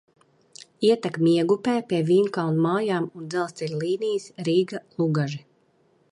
Ietek Miegupē pie Vīnkalnu mājām un dzelzceļa līnijas Rīga–Lugaži.